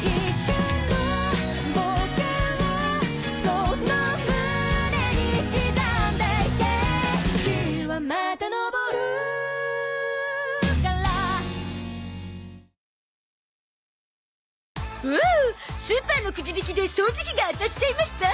おおスーパーのくじ引きで掃除機が当たっちゃいました